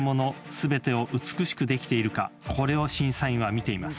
すべてを美しくできるかこれを審査員は見ています。